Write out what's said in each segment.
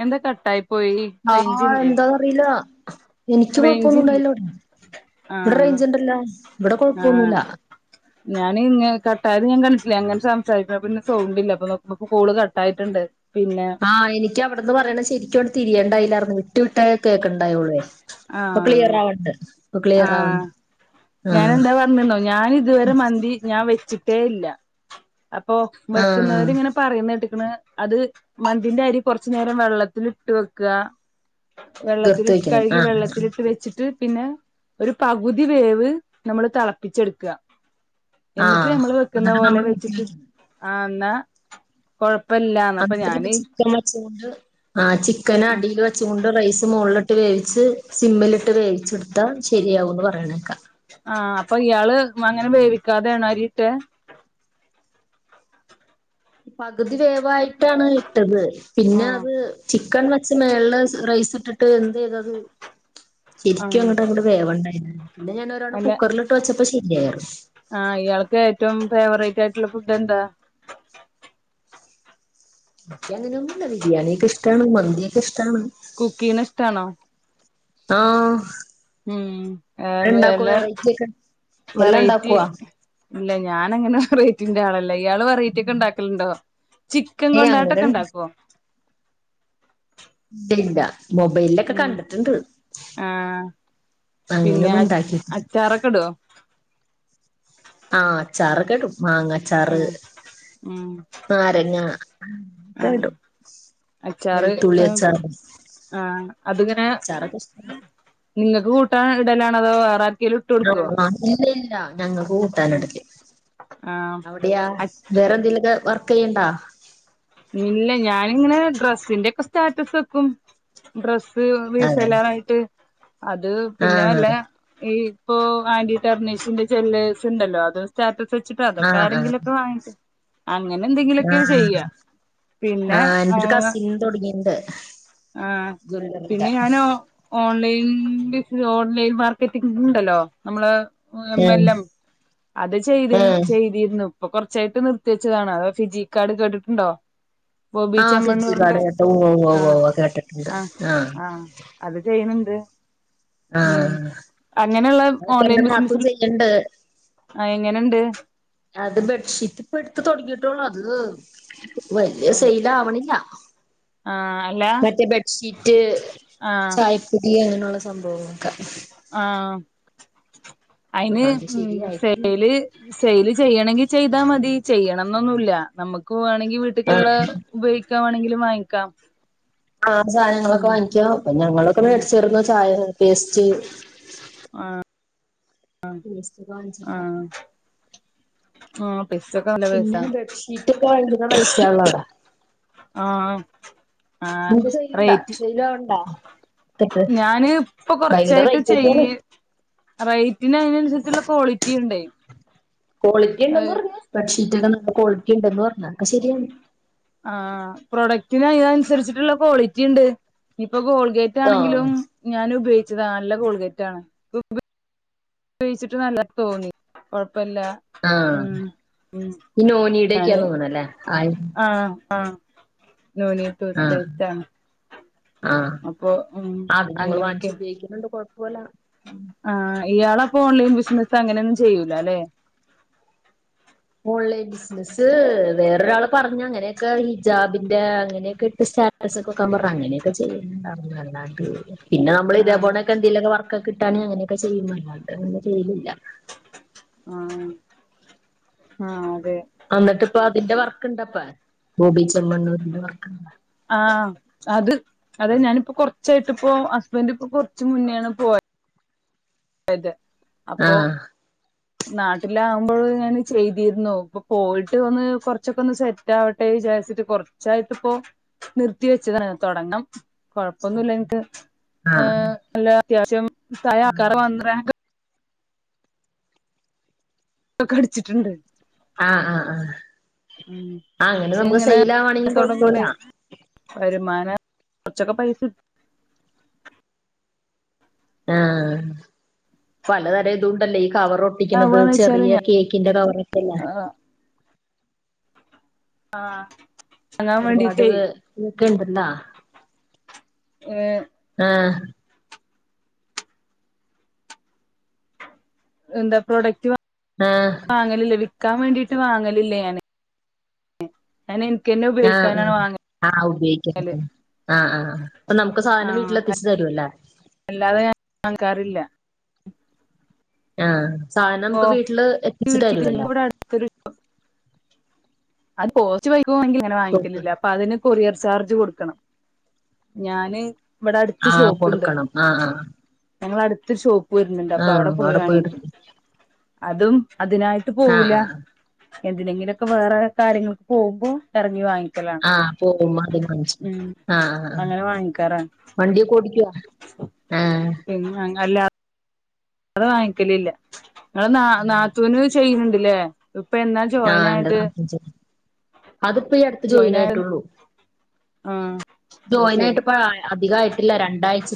എന്താ കട്ടായി പോയി ആഹ റേഞ്ചില്ലേ എന്താ അറിയില്ല എനിക്ക് കൊഴപ്പൊന്നും റേഞ്ചില്ലേ ഇണ്ടായില്ലോവിടാ ഇവിടെ ആഹ് റേയ്ഞ്ച്ണ്ടല്ല ഇവിടെ കൊഴപ്പൊന്നല ഞാൻ ഇ കട്ടായത് ഞാൻണിച്ചില്ലേ അങ്ങനെ സംസാരിക്ക പിന്നെ സൗണ്ടണ്ട്ില്ലല്ല അപ്പൊ നോക്കുമ്പോ കോള് കട്ട് ആായിട്ടുണ്ട് ആഹ് എനിക്ക് അവിടുന്ന് പറയണ ശെരിക്കുംോവിടെ തിരിയേണ്ടായില്ലായിന്ന് വിട്ടു വിട്ടേ കേക്കണ്ടായള്ളുവേ ഇപ്പൊ ക്ലിയർ ആഹ് ആവണ്ട് ഇപ്പൊ ക്ലിയർ ആവണ്ട് ഞാാന ആഹ് എന്താ പറഞ്ഞുന്നോ ഞാൻ ഇതുവരെ മന്തി ഞാൻ വെച്ചിട്ടേ ഇല്ല അപ്പൊ ആഹ് വെക്കുന്നവരിങ്ങനെ പറയുന്നട്ട് അത് മന്തിന്റെ അരി കൊറച്ചുനരം വെള്ളത്തിൽ ഇട്ട് വെക്കുക തീർത്ത് വെള്ളത്തിി് വെക്കണം കഴുകി ആഹ് വെള്ളത്തിലിട്ട് വെച്ചിട്ട് പിന്നെ ഒരു പകുതി വേവ് നമ്മള് തിളപ്പിച്ചെടുക്കുക എന്നിട്ട് ആഹ് നമ്മൾ വെക്കുന്ന എന്നിട്ട് പോലെ നമ്മള് ഊറ്റി വെച്ചിട്ട് വെക്കണം ആ എന്നഴ എന്നിട്ട ചിക്കൻ വച്ചൊണ്ട് ആ ചിക്കന് ആ അടിൽ വെച്ചൊണ്ട് റൈസ് മുകള ഇ ഇട്ട് വേവിച്ച് സിമ്മിലിട്ട് വേവിച്ചെടുത്താൽ ശരിയാവുംന്ന് പറയണേക്കാം ആഹ അപ്പൊ ഇയാള് അങ്ങനെ വേവിക്കാതെയണ അരിട്ടെ പകുതി വേവായിട്ടാണ് ഇട്ടത് ആ പിന്നെ അത് ചിക്കൻ വെച്ച് മേള റൈസ് ഇട്ടിട്ട് എന്ത് ചെയ്തത് ആ ശരിക്കും അങ്ങോട്ട് അങ്ങോട് വേവണ്ടായി പിന്നെ ഞാനൻ ഒരാവണ്ണം കുക്കറിലിട്ട് വെച്ചപ്പോ ശരിയരുന്നു ആഹ് ഇയാൾക്ക് ഏറ്റവും ഫേവറേറ്റ് ആയിട്ടുള്ള ഫുഡ് എന്താ ബഞാനിനന്നല്ല ബിരിയാണിയക്ക് ഇഷ്ടമാണ് മന്ദിയക്ക് ഇഷ്ടം കുക്കീന് സ്ഥണോ ആഹ ഉം എല്ലാം ഒക്കെ എല്ലാം വെറൈറ്റ്ി ഇണ്ടാക്കുവോ? ഇല്ല ഞാാന അങ്ങനെ വെറൈറ്റിന്റെ ആളല്ല ഇയാള് വെറൈറ്റി ഒക്കെ ഉണ്ടാക്കലുണ്ടോ ചിക്കൻ ഏയ് അങ്ങനെ കൊണ്ടായിട്ടൊക്കെ ഉണ്ടാക്കുവോ ഇല്ല ഇല്ല മൊബൈലിലൊക്കെ ഉം കണ്ടിട്ടുണ്ട് ആ പിന്നെ അങ്ങനൊന്നും ഉണ്ടാക്കിട്ടില്ല അച്ചാറൊക്കെ ഇടുവോ ആഹ് അചാറക്കെ ഇടും മാങ്ങ അചാറ് ഉം ഉം നാരങ്ങാ ആ ഒക്കേ ഇടും അച്ചാറ് വെളുത്തുള്ളി അച്ചാറ് ആഹ് അതിങ്ങനെ അച്ചാറൊക്കെ ഇഷ്ടാ നിങ്ങക്ക് കൂട്ടാ ഇടലാണതോ വേറെ ആര് [unintelligible] [unintelligible] [unintelligible] ഇല്ല ഞങ്ങൾക്ക് കൂട്ടാനെടു [unintelligible] ആഹ് അവിടിയാ വേറെ എന്തേല്യലൊക്കെ വർ ക്ക്യയ്യ്ണ്ടാ ഇല്ല ഞാനിങ്ങനെ ഡ്രസ്സിന്റെ ഒക്കെ സ്റ്റാറ്റസ് വെക്കും ഡ്ര [unintelligible] അതാണ് വിസെല്ലാറയിട്ട് അത് പിന്നെ ആഹ് വല്ല ഈ ഇപ്പോ ആന്റി ടെർണീഷിസിന്റെ [unintelligible] ഇണ്ടല്ലോ അത് സ്റ്റാറ്റസ് ഇട്ട് ച്ചിട്ട് അതൊക്കെ ആഹ് ആഹ് ആരെങ്കിലൊക്കെ വാങ്ങീട്ട് അങ്ങനെ എന്തെങ്കിലുമൊക്കെയാണ് ആഹ് ചെയ്യാ ആഹ് എൻ്റൊരു കസിൻ തൊടങ്ങിണ്ട് ആഹ് പിന്നെ ഞാന് ഓൺലൈൻല് ഈ ഓൺലൈൻ മാർക്കറ്റിങ്ങൊക്കെ ഇണ്ടല്ലോ നമ്മള് ഉം [unintelligible] അത് ചെയ്ത് ഉം ചെയ്തിരുന്നു ഇപ്പൊ കൊറച്ചായിട്ട് നിർത്തി വെച്ചതാണ് അതോ ഫിജി കാർഡ് കേട്ടിട്ടുണ്ടോ? ബോബി ആഹ് ഫിൻസി ചെമ്മണ്ണൂറിന്റെ കാർഡ് കേട്ട് ഉവ്വ് ഉവ്വ് ഉവ്വ് ആഹ് ഉവ്വ് കേട്ടിട്ടുണ്ട് ആഹ് ആഹ് അത് ചെയ്യണണ്ട് ഉം ആഹ് അങ്ങനെയുള്ള അതൊക്കെ ഓൺലൈൻ എന്റെ നാത്തൂൻ ബിസിനസ്സിന് ചെയ്യണ്ട് ആഹ് എങ്ങനെണ്ട്? അത് ബെഡ്ഷീറ്റ് ഇപ്പ അടുത്ത് തൊടങ്ങീട്ടോളു അത് വെല്യ ആഹ് സെയിൽ ആവണില്ല അല്ല മറ്റേ ബെഡ്ഷീറ്റ് ആഹ് ചായപ്പൊടി അങ്ങനെയുള്ള സംഭവങ്ങളൊക്കെ ആഹ് അയിന് അത് ഉം ശരിയായിട്ടില്ല സെയില് സെയില് ചെയ്യണെങ്കി ചെയ് താ മതി ചെയ്യണന്നൊന്നുല്ല നമ്മക്ക് വേണെങ്കി വീട്ട്ക്ക്ള്ള ഉപയോഗ് ക്കാൻ വേണെങ്കിലും വാങ്ങിക്കാം ആഹ് സാധനങ്ങളൊക്കെ ഉം വാങ്ങിക്കാം അപ്പ ഞങ്ങളൊക്കെ ഉം മേടിച്ചെറുന്നു ചായ, പേസ്റ്റ് ആഹ് ആഹ് പേസ്റ്റ് ഒക്കെ ആഹ് വാങ്ങിച്ചിട്ടുണ്ടായിരുന്നു നോ പൈസൊക്കെ നല്ല പിന്നെ പൈസാ ബെഡ്ഷീറ്റ് ഒക്കെ ഭയങ്കര റേറ്റ് ആണല്ലോ അവിടെ ആഹ് ആഹ് നിൻ്റെ സെയില്ണ്ടാ? റേറ്റ് സെയിലാവണണ്ടാ? ഞാന് ഇപ്പൊ ഭയങ്കര കൊറച്ചായിട്ട് റേറ്റ് ഒക്കെയാണ് ചെയ്യ് റേയിറ്റിന് അയിനനുസരിച്ചുള്ള ക്വാളിറ്റി ഇണ്ടേ ക്വാളിറ്റി ഇണ്ടെന്ന് അഹ് പറഞ്ഞ ബെഡ്ഷീറ്റ ഒക്കെ നല്ല ക്വാളിറ്റിണ്ടന്ന് പറഞ്ഞ അഹ് ഒക്കെ ശെരിയാണ്. ആഹ് പ്രൊഡക്റ്റിന് അയിനൻ സരിച്ചിട്ട്ള്ള ക്വാളിറ്റി ഇണ്ട്. ഇപ്പ ഗോൾഗേറ്റ് ആ ആണെങ്കിലും ഞാൻ ഉപയോഗിച്ചത. നല്ല ഗോൾഗേറ്റ് ആണ്. ഉപയോയിച്ചിട്ട് നല്ല തോന്നി കൊഴ പ്പല്ല ആ മ് മ് ഈ നോനിയുടെ ഞാന് ഒക്കെയാന്ന് തോന്നണല്ലേ ആയി ആഹ് ആഹ് [unintelligible] ടൂത് പേസ്റ്റ ആഹ് അത് ഞങ്ങൾ അങ്ങനെയൊക്കെ വാങ്ങിച്ച് ഉപയോഗിക്കണണ്ട് കൊഴപ്പോല്ല. ആഹ് ഇയാള് അപ്പ ഓൺലൈൻ ബിസിനസ് അങ്ങനെയൊന്നും ചെയ്യൂല അല്ലേ. ഓൺലൈൻ ബിസിനസ്സ് വേറൊരാള് പറഞ്ഞ അങ്ങനെയൊക്കെ ഹിജാബിന്റെ അങ്ങനെയൊക്കെ സ്റ്റാറ്റസ് ഒക്ക വെക്കാൻ പറഞ്ഞ് അങ്ങനെയൊക്കെ ചെയ്യും. പർഞ്ഞ് അല്ലാണ്ട് പിന്നെ നമ്മള് ഇതെ ആഹ് പോണെക്കെ എന്തെലൊക്കെ വർക്ക്ക്കെ കിട്ടാണ്ങ്കിൽ അങ്ങനെയൊക്കെ ചെയ്യും അല്ലാണ്ട് അങ്ങനെ ചെയ്യലില്ല. ആഹ് ആഹ് അതെ അന്നിട്ട് ഇപ്പ അതിന്റെ വർക്ക് ഇണ്ടപ്പ ബോബി ചെമ്മണ്ണൂരിന്റെ വർക്ക്ണ്ട? ആഹ് അത് അതെ ഞാനിപ്പോ കൊർ ച്ചായിട്ട്പ്പോ ഹസ്ബൻന്റ് ഇപ്പ കൊർച്ച് മുന്നേണ് പോയ അതെ ആഹ നാട്ടിലാകുമ്പോൾ ഞാൻ ചെയ്തിരുന്നു ഇപ്പൊ പോയിട്ട് ഒന്ന് കൊറച്ചൊക്കെ ഒന്ന് സെറ്റ് ആവട്ടെ. വിചാരിച്ചിട്ട് കുറച്ചായിട്ട ഇപ്പൊ നിർത്തി വെച്ചത തുടങ്ങണം. കൊഴപ്പൊന്നുമില്ല എനിക്ക് ഹ് ആഹ് എല്ല അത്യാവശ്യം. [unintelligible] ൊക്കെ അടിച്ചിട്ടുണ്ട് ആഹ് ആഹ് ആഹ ഉ പ ഇങ്ങനെ ആവാണെങ്കിൽ തുടങ്ങണ്ട കൊഴപ്പല്ല വരുമാന കൊച്ചക്കെ പ ആഹ പലതരം ഇതുണ്ടല്ലേ കവർ ഒട്ടിക്കുന്നത് കിട്ടാവാന്ന് വെച്ചാല് ചെറിയ ഞാൻ കേക്കിന്റെ കവറ ഒക്കെയല്ല ആഹ ഒരുപാട് കേക്കണ്ടല്ല ആഹ എന്താ പ്രോഡക്റ്റ് ആഹ് വാങ്ങലില്ലേ വിക്കാൻ വേണ്ടീട്ട് വാങ്ങലില്ലേ ഞാന് ഞാൻ എനിക്കന്നെ ആഹ ഉപയോഗിക്കാനാണ് ആഹ വാങ്ങ ആഹ ഉപയോഗിക്ക ആഹ് ആ അൊ നമുക്ക് സാധനം ആഹ് വീട്ടില എത്തിച്ചു തരുല്ലേ അല്ലാതെ ഞാൻ നക്കാറില്ല ആഹ സാധനം ഓ നമുക്ക് വീട്ടില് എത്തിച്ചു വീട്ടിൽ തരുമല്ലോ ഇവിടെ അടുത്ത് അത് പോസ്റ്റ് വൈകെങ്കിൽ ഇങ്ങനെ സൂപ്പർ വാങ്ങിക്കലില്ല അതിന് കൊറിർ ചാർജ് ചാർജ് കൊടുക്കണം ഞാന് ഇവിടെ അടുത്ത ആഹ് ഷോപ്പുണ്ട്. കൊടുക്കണം ആഹ് ആഹ് ഞങ്ങള അടുത്ത് ഷോപ്പ് വരുന്നുണ്ട്. അപ്പൊ അവിടെ ആഹ് പോയി വാങ്ങി പോയിട്ട് അതും അതിനായിട്ട് ആഹ് പോവില്ല ആഹ് എന്തിനെങ്കിലൊക്കെ വേറെ കാര്യങ്ങൾക്ക് പോകുമ്പോൾ ഇറങ്ങി വാങ്ങിക്കി ആഹ് പോകും അതി മനിച്ച ആഹ ആ അങ്ങനെ വാങ്ങിക്കാറാണ് വണ്ടിയക്ക ഓടിക്കുവ ആ ഉ അല്ല അത് വാങ്ങിക്കലല്ല നിങ്ങെ നാ നാത്തുന് ചെയ്യുന്നുണ്ടില്ലേ ഇപ്പൊ എന്നാ ജോയിൻ ആഹ് എന്റെ ആയത് നാത്തൂൻ ചെറുത് അതിപ്പോ ഈ അടുത്ത് ജോയിൻ ആയത് ആയിട്ടുള്ളൂ ആഹ ജോയിൻ ആയിട്ട്പ്പ അധിക ആട്ടില്ല രണ്ടാഴ്ച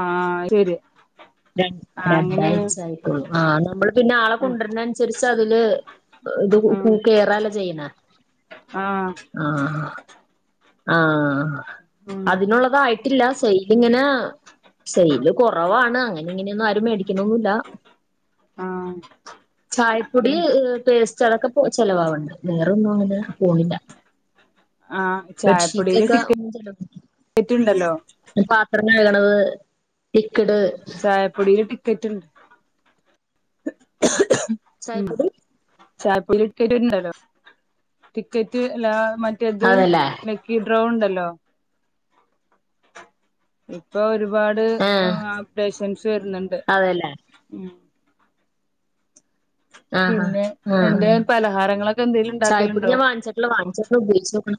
ആഹ ശരി ര ആ അങ്ങനെയാണ് രണ്ടാഴ്ച ആായിക്കും ആ നമ്മള് പിന്നെ ആളെ കൊണ്ടുവരുന്ന അനുസരിച്ച് അതില് ഇത് ആ കേറാല ചെയ്യുന്ന ആ ആ ആഹ ആഹ ആ ഉം അതിനുള്ളതായിട്ടില്ല സെൽിങ്ങനെ സെല് കുറവാണ് അങ്ങനെ ഇങ്ങനെയൊന്നും ആരുമേടിക്കുന്നൊന്നുമല്ല ആഹ് ചായപ്പൊടി പേസ്റ്റ് അതൊക്കെ ചെലവാവണ്ട് വേറെൊന്നും അങ്ങനെ പോണില്ല ആഹ് ബെഡ് ഷീറ്റ് ചായപ്പൊടിയില് ഒക്കെ ടിക്കറ്റ് ഉണ്ടല്ലോ പാത്രം കഴുകിണതു ലിക്യുദ് പൊടിൽ ടിക്കറ്റ് ഉണ്ട് ചായപ്പൂടി ചായപ്പൊല ഇടിക്കറ്റ്ണ്ടല്ലോ ടിക്കറ്റ് എല്ല [unintelligible] മറ്റേത് അതല്ലേ ലക്കി ഡ്രോ ഉണ്ടല്ലോ ഇപ്പൊ ഒരുപാട് ആ അപ്‌ഡേഷൻസ് വരുന്നുണ്ട് അതല്ലേ ഉം ആ ആ പിന്നെ ആ എന്തായാലും പലഹാരങ്ങളൊക്കെ എന്തേലും ചായപ്പൊടി ഉണ്ടാക്കലുണ്ടോ ഞാൻ വാങ്ങിച്ചട്ടില്ല വാങ്ങിച് ഉപയോഗിച്ചണം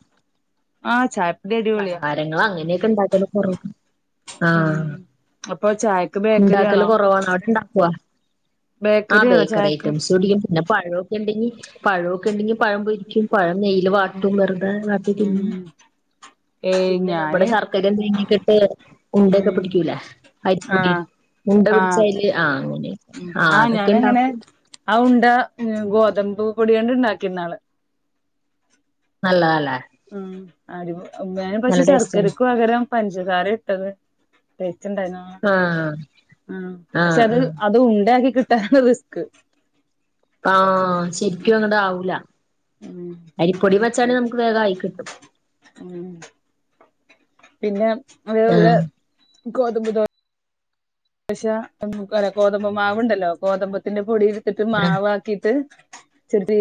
ആഹ് ചായപ്പൊടി അടിപൊളിയാ പലഹാരങ്ങള് അങ്ങനെയൊക്കെ ഇണ്ടാക്കല് കൊറ ആഹ ഉം അപ്പൊ ചായക്ക് ബേക്കറി ഉണ്ടാക്കല് ആണോ കൊറവാണ് അവിടെ ഇണ്ടാക്കോ ആ ആണോ ബേക്കറി ചായക്ക് ഐറ്റംസ് ഒടിയും പിന്നെ പഴമൊക്കെ ഉണ്ടെങ്കി പഴമൊക്കെ ഉണ്ടെങ്കിൽ പഴം പൊരിക്കും പഴം നെയ്യിൽ ഉം വാട്ടും വെറുതെ വാട്ടി തിന്നും ഉം ഏയ് പിന്നെ നമ്മുടെ ഞാന് ശർക്കരയും തേങ്ങക്കെ ഇട്ട് ഉണ്ടൊക്കെ ഉം പിടിക്കൂല്ലേ അരിപ്പൊടി ആഹ് മുണ്ട ആഹ് പിടിച്ചതില് ആഹ് അങ്ങനെ ആഹ് അതൊക്കെ ഇണ്ടാക്കും ണ്ട ഗോതമ്പ് പൊടികൊണ്ട് ഉണ്ടാക്കിന്നാള് നല്ലതല്ലേ ഉം അടിപൊ ഞാൻ നല്ല പക്ഷെ ടേസ്റ്റാണ് ശർക്കരക്ക് പകരം പഞ്ചസാരെ ഇട്ടത് ആഹ് ആ പക്ഷെ ആഹ് അത് ആഹ് അത് ഉണ്ട ആക്കി കിട്ടാനാ റിസ്ക് ആഹ് ശരിക്കും അങ്ങട് ആവൂല ഉം അരിപ്പൊടി വെച്ചാല് നമുക്ക് വേഗായി കിട്ടും ഉം പിന്നെ അതേപോലെ ആഹ് ഗോതമ്പു ദോ ശ ഗോതമ്പ് മാവ്ണ്ടല്ലോ ഗോതമ്പത്തിന്റെ പൊടി ഇടുത്തിട്ട് ആഹ് മാവാക്കിട്ട് ചെറി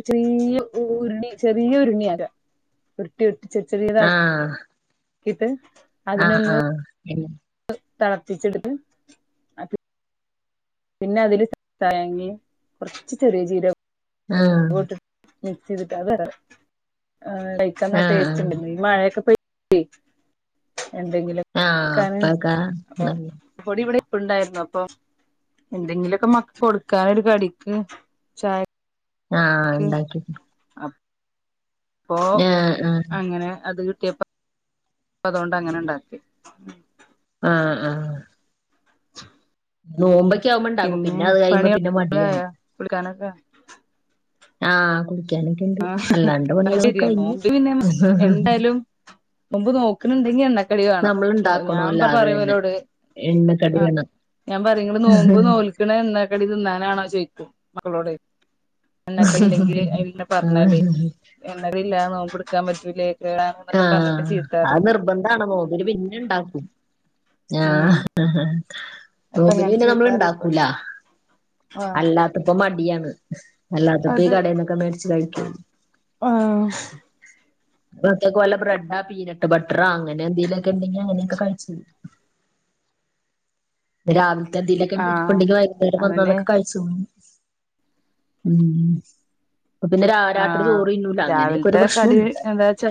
ചെറിയ ചെറിയ ഉരുണി ചെറിയ ഉരുണി ആക്ക ഉരുട്ടി ഉര് ചെറി ചെറിയതാ ആഹ് ക്കിട്ട് ആഹ് ആഹ് ഉം തെളപ്പിച്ചിട്ട് പിന്നെ അതില് തേങ്ങിം കുറച്ച് ചെറിയ ജീര ആഹ് മിക്സ് ചെയ്തിട്ട് അത് വേറെ. കഴിക്കാ ആഹ് ടേസ്റ്റ് ആഹ് ണ്ട് മഴയൊക്കെ പെയ് [unintelligible] എന്തെങ്കിലും [inaudible] ആഹ് ക്കാൻ അപ്പക്കാ അപ്പൊ പൊടി വടെ പ്പ്ണ്ടായിരുന്നു അപ്പൊ എന്തെങ്കിലു നക്കെ മക്കൾക്ക് കൊടുക്കാനൊരു കടിക്ക് ചായ ആഹ് ഉണ്ടാക്കി [inaudible] അപ്പൊ ആഹ് അങ്ങനെ അത് കിട്ടിയേപ്പ പ്പതോണ്ട് അങ്ങനെ ഉണ്ടാക്കി ആഹ് ആഹ് നോമ്പൊക്കെ ആവുമ്പോ ഇണ്ടാക്കും പിന്നെ അത് കഴിയുമ്പോ പിന്നെ മടിയാണ് കൊടുക്കാനൊക്കെ ആഹ് കുളിക്കാനൊക്കെണ്ട് അല്ലാണ്ട് അത് പണികളൊക്കെ ശരിയാ കഴിഞ്ഞ് നോമ്പ് മുമ്പ് നോക്ക്ണുണ്ടെങ്കി എണ്ണക്കടി വേണം നമ്മൾ ഞാൻ ഇണ്ടാക്കണോല്ലോ അത് പറി തന്നെ ഇവലോട് ആഹ് എണ്ണക്കടിയാണ് ഞാൻ പറിം ഇങ്ങള് നോമ്പ് നോൽക്ണത് എണ്ണക്കടി തിന്നാനാണോ ചോയിക്കും മക്കളോട് എണ്ണക്കടി ഇല്ലെങ്കിൽ അയല് ള്ള ആഹഹാ തില്ല ഞാൻ നോമ്പ് ഇട്ക്കാൻ പറ്റൂലേ കേടാണ്ന്നൊക്കെ പറഞ്ഞിട്ട് ആഹ് ചീത്ത പറയും അത് നിർബന്താണ് നോമ്പിനു പിന്നെണ്ടാക്കും ആ ഉം അപ്പൊ നോമ്പിനു ഇങ്ങനെ പിന്നെ ചീത്ത നമ്മൾ പറയുമ്പോ ഇണ്ടാക്കൂല ആഹ് അല്ലാത്തപ്പോ മടിയാണ് അല്ലാത്തപ്പ ഈ അത് കടേന്നൊക്കെ മേടിച്ച് കഴിക്കുള്ളൂ ആഹ് അത് [unintelligible] വല്ല ബ്രെഡാ പീനട്ട് ബട്ടറാ അങ്ങനെ എന്തെങ്ക ലൊക്കെ ഉണ്ടെങ്കി അങ്ങനെയൊക്കെ കഴിച്ച് രാവിലത്തെ എന്തേലൊക്കെ ഇരി ആഹ് പ്പുണ്ടെങ്കി വൈകുന്നേരം അതന്നെ വന്നതൊക്കെ കഴിച്ചോളും ഉം അപ്പോ പിന്നെ രാ രാത്രി ആഹ് ചോറ് തിന്നൂല അങ്ങനെയൊക്കെ ഒരു രാവിലത്തെ പ്രശ്ന കടി ഉണ്ട് എന്താ വെച്ചാ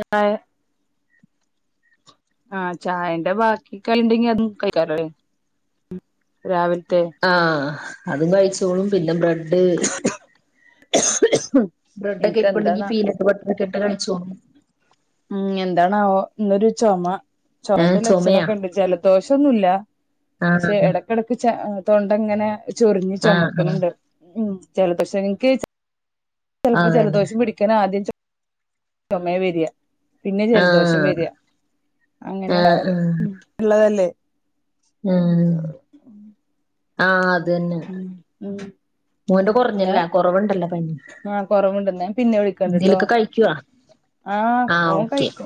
ആഹ് ചായന്റെ ബാക്കി കടി ഉണ്ടെങ്കി അതും കഴിക്കാലോലെ രാവിൽ ആഹ് അതും കഴിച്ചോളും പിന്നെ ബ്രഡ് ബ്രെഡൊക്കെ ഇര്പ്പുണ്ടെങ്കി ഇൻക്കെന്താന്നാ പീനട്ട് ബട്ടറൊക്കെ ഇട്ട് കഴിച്ചോളും ഉം എന്താണാവോ ഇന്നൊരു ചുമ. ഏഹ് ചുമന്റെ ചുമയാ ലക്ഷണമൊക്കെ ഉണ്ട്. ജല ദോഷന്നുല്ല ആഹ് ക്ഷെ ഇടക്കിടക്ക് തൊണ്ടങ്ങനെ ചൊറിഞ്ഞു ആഹ് ചുമക്കണണ്ട് ഉ ചെലപ്പ ക്ഷെ ഇൻക്ക് ആഹ് ചെലപ്പോ അതന്നെ ജലദോഷം പിടിക്കൻ ആദ്യം ചൊ ചൊമയാ വരിയ പിന്നെ ജലദോഷം ആഹ് വരിക അങ്ങനെ ആഹ് ആഹ് ഉണ്ടാവറ് ഉള്ളതല്ലേ എന്ത് ആ അ ഉം ഉം കുറഞ്ഞല്ല കുറവുണ്ടല്ലോ പനി ആ കൊറവുണ്ട് ന്ന പിന്നെ വിളിക്കണ്ട് ട്ടോ എന്തേലൊക്കെ കഴിക്കുവോ? ആഹ ആഹ് ഓൻ ഓക്കേ. കഴിക്കു